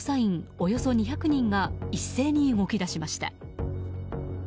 およそ２００人が一斉に動き出しました。